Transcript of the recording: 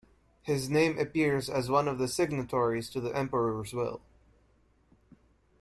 His name appears as one of the signatories to the emperor's will.